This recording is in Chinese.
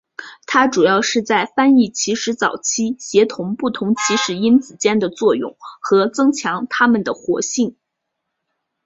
它主要是在翻译起始早期协同不同起始因子间的作用和增强它们的活性。